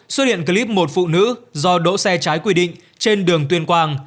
xuất hiện clip một phụ nữ do đỗ xe trái quy định trên đường tuyên quang